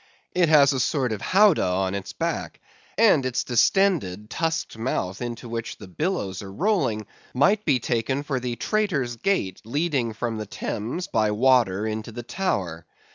It has a sort of howdah on its back, and its distended tusked mouth into which the billows are rolling, might be taken for the Traitors' Gate leading from the Thames by water into the Tower.